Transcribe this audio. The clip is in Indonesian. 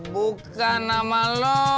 bukan sama lo